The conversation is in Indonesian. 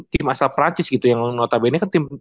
tim asal perancis gitu yang notabene kan tim